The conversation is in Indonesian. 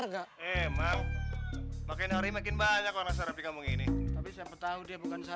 sampai jumpa di video selanjutnya